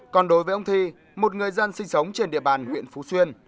còn đối với ông thi một người dân sinh sống trên địa bàn huyện phú xuyên